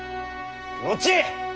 後